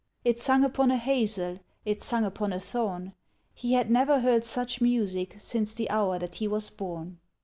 It sung upon a hazel, it sung upon a thorn; He had never heard such music since the hour that he was born.